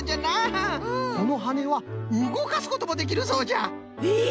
このはねはうごかすこともできるそうじゃ。え！？